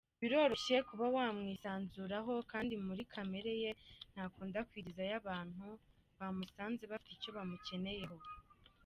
Biroroshye kuba wamwisanzuraho kandi muri kamere ye ntakunda kwigizayo abantu bamusanze bafite icyo bamukeneyeho.